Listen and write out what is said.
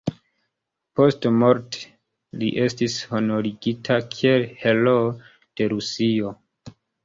Postmorte li estis honorigita kiel Heroo de Rusio.